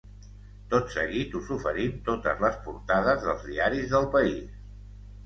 Tot seguit us oferim totes les portades dels diaris del país.